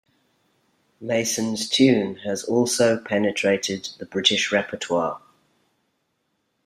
Mason's tune has also penetrated the British repertoire.